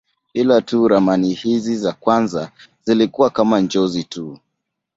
Ila tu ramani hizi za kwanza zilikuwa kama njozi tu.